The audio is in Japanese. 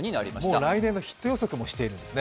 もう来年のヒット予測もしているんですね。